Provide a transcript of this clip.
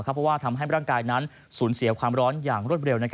เพราะว่าทำให้ร่างกายนั้นสูญเสียความร้อนอย่างรวดเร็ว